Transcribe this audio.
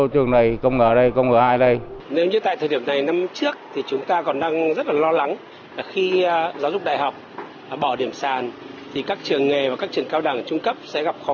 trong những ngày này khi các em học sinh đang hối hả chọn trường chọn nghề